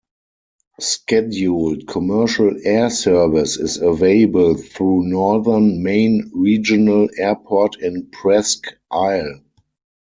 Scheduled commercial air service is available through Northern Maine Regional Airport in Presque Isle.